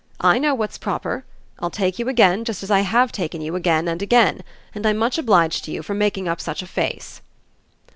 I know what's proper. I'll take you again, just as I HAVE taken you again and again. And I'm much obliged to you for making up such a face."